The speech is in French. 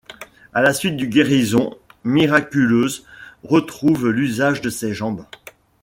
À la suite du guérison miraculeuse, retrouve l'usage de ses jambes.